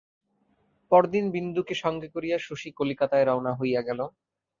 পরদিন বিন্দুকে সঙ্গে করিয়া শশী কলিকাতায় রওনা হইয়া গেল।